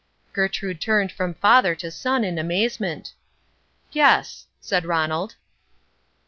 Gertrude looked from father to son in amazement. "Yes," said Ronald.